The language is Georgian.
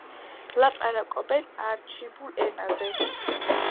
ლაპარაკობენ არჩიბულ ენაზე.